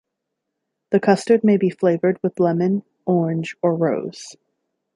The custard may be flavored with lemon, orange, or rose.